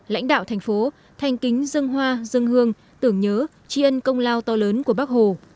lãnh đạo thành phố thành kính dân hoa dân hương tưởng nhớ chi ân công lao to lớn của bắc hồ